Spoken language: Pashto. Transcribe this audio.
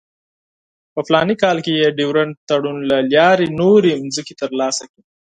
په فلاني کال کې یې د ډیورنډ تړون له لارې نورې مځکې ترلاسه کړې.